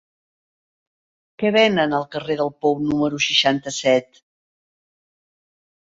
Què venen al carrer del Pou número seixanta-set?